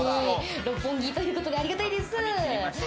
六本木ということで、ありがたいです。